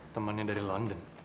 temennya dari london